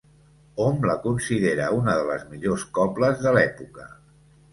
Hom la considerà una de les millors cobles de l'època.